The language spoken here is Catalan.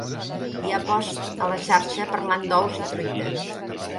Hi ha posts a la xarxa parlant d'ous i truites